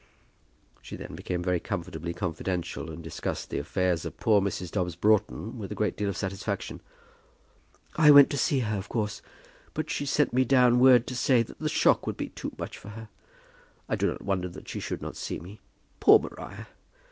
She then became very comfortably confidential, and discussed the affairs of poor Mrs. Dobbs Broughton with a great deal of satisfaction. "I went to see her, of course, but she sent me down word to say that the shock would be too much for her. I do not wonder that she should not see me. Poor Maria!